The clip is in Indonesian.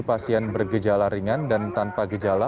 pasien bergejala ringan dan tanpa gejala